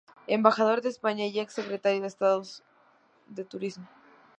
Embajador de España, y ex-secretario de Estado de Turismo.